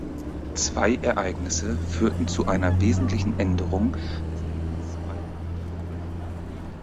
Zwei Ereignisse führten zu einer wesentlichen Änderung des Denkens bei Amtrak.